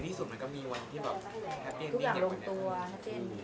ในที่สุดมันก็มีวันที่แฮปป์แอนดีกว่า